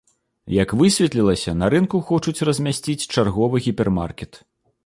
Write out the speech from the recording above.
Як высветлілася, на рынку хочуць размясціць чарговы гіпермаркет.